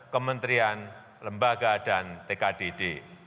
kementerian lembaga dan tkdd